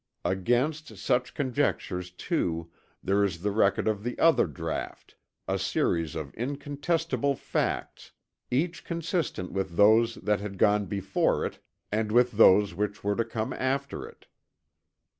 Against such conjectures too there is the record of the other draught, a series of incontestible facts, each consistent with those that had gone before it and with those which were to come after it.